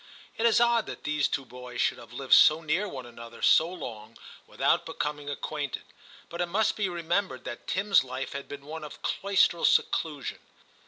It is odd that these two boys should have lived so near one another so long without becoming acquainted ; but it must be remembered that Tim*s life had been one of cloistral seclusion.